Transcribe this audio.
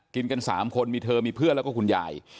กินกัน๓คนมีเธอมีเพื่อนแล้วก็คุณยาย